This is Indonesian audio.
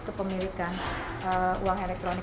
ke pemilikan uang elektronik